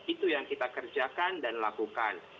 itu yang kita kerjakan dan lakukan